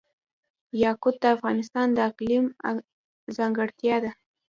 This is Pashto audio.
یاقوت د افغانستان د اقلیم ځانګړتیا ده.